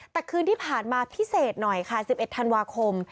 แต่คืนที่ผ่านมาพิเศษหน่อยค่ะ๑๑ธันวาคม